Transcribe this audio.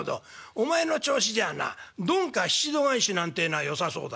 「お前の調子じゃなどんか七度返しなんてえのはよさそうだな」。